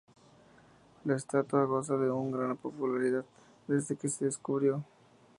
La estatua goza de una gran popularidad desde que se descubrió.